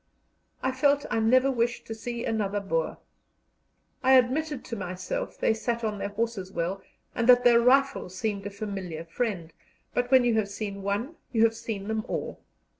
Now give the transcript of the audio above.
I felt I never wished to see another Boer. I admitted to myself they sat their horses well and that their rifle seemed a familiar friend, but when you have seen one you have seen them all.